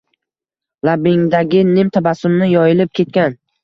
Labingdagi nim tabassumni yoyilib ketgan.